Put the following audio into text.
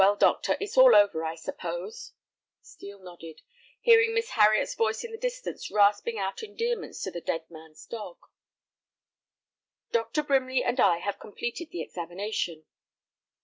"Well, doctor, it's all over, I suppose." Steel nodded, hearing Miss Harriet's voice in the distance rasping out endearments to the dead man's dog. "Dr. Brimley and I have completed the examination."